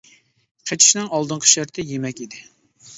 قېچىشنىڭ ئالدىنقى شەرتى يېمەك ئىدى.